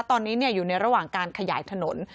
ตอนนี้อยู่ในระหว่างการขยายถนน